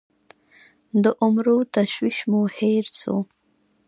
د عمرو تشویش مو هېر سوو